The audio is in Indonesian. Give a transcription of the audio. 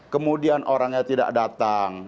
kemudian orangnya tidak datang